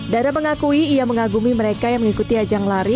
dara mengakui ia mengagumi mereka yang mengikuti ajang lari